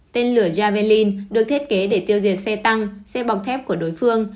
tên lửa jaberlin được thiết kế để tiêu diệt xe tăng xe bọc thép của đối phương